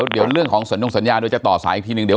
เดี๋ยวเรื่องของสนุกสัญญาณด้วยจะต่อสายอีกทีหนึ่ง